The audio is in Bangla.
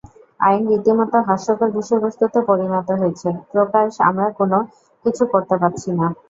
আইন রীতিমত হাস্যকর বিষয়বস্তুতে পরিণত হয়েছে প্রকাশ আমরা কেনো কিছু করতে পারছি না?